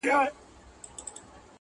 مناسب تشخيص سوی و